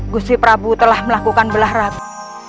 gusi prabu telah melakukan belah ratu